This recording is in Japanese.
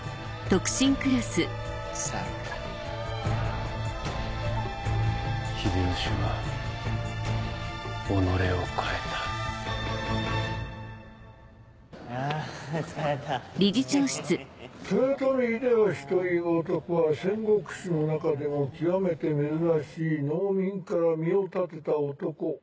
豊臣秀吉という男は戦国史の中でも極めて珍しい農民から身を立てた男。